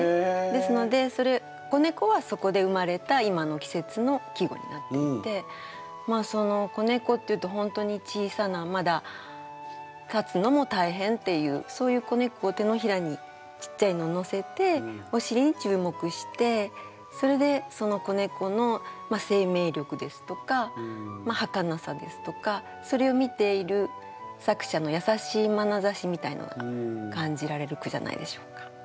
ですので子猫はそこで生まれたいまの季節の季語になっていてまあその子猫というと本当に小さなまだ立つのも大変っていうそういう子猫を手のひらにちっちゃいのをのせておしりに注目してそれでその子猫の生命力ですとかはかなさですとかそれを見ている作者の優しいまなざしみたいなのが感じられる句じゃないでしょうか。